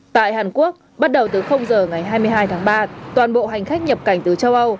tại hàn quốc bắt đầu từ giờ ngày hai mươi hai tháng ba toàn bộ hành khách nhập cảnh từ châu âu